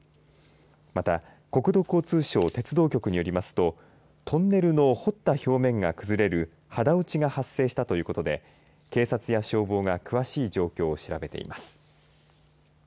また国土交通省に鉄道局によりますとトンネルの掘った表面が崩れる肌落ちが発生したということで警察や消防が詳しい状況を調べています。